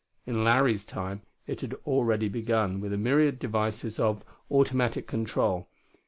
In Larry's time it had already begun with a myriad devices of "automatic control."